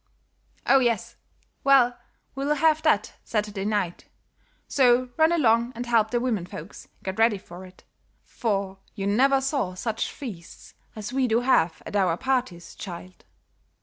"Oh, yes. Well, we'll have that Saturday night; so run along and help the women folks get ready for it, for you never saw such feasts as we do have at our parties, child."